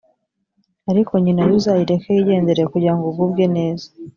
ariko nyina yo uzayireke yigendere kugira ngo ugubwe neza